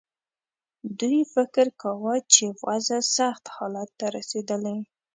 دوی فکر کاوه چې وضع سخت حالت ته رسېدلې.